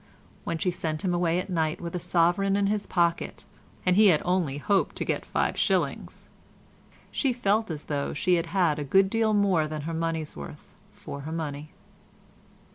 When she sent him away at night with a sovereign in his pocket (and he had only hoped to get five shillings) she felt as though she had had a good deal more than her money's worth for her money.